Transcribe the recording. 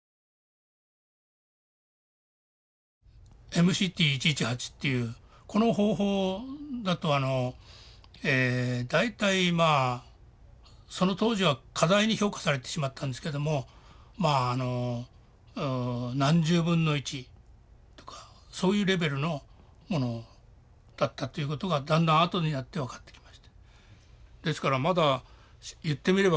ＭＣＴ１１８っていうこの方法だと大体まあその当時は過大に評価されてしまったんですけども何十分の１とかそういうレベルのものだったということがだんだんあとになって分かってきまして。